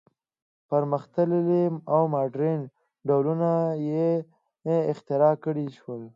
پرمختللي او ماډرن ډولونه یې اختراع کړل شول.